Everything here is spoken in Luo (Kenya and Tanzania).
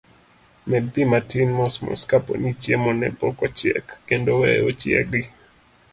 Med pii matin mos mos kaponi chiemo ne pok ochiek, kendo weye ochiegi.